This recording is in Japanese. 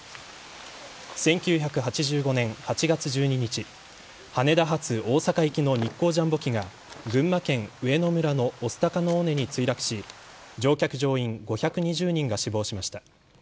１９８５年８月１２日羽田発大阪行きの日航ジャンボ機が群馬県上野村の御巣鷹の尾根に墜落し乗客乗員５２０人が死亡しました。